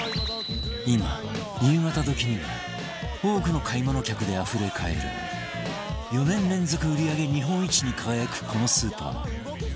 今夕方時には多くの買い物客であふれかえる４年連続売り上げ日本一に輝くこのスーパー